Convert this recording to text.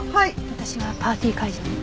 私はパーティー会場に。